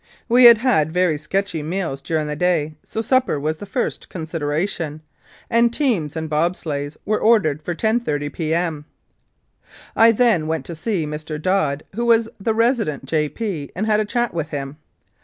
We had had very "sketchy" meals during the day, so supper was the first consideration, and teams and bobsleighs were ordered for 10.30 P.M. I then went to see Dr. Dodd, who was the resident J.P., and had a chat with him.